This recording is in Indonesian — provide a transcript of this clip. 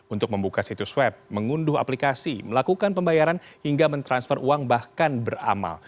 untuk membuka situs web mengunduh aplikasi melakukan pembayaran hingga mentransfer uang bahkan beramal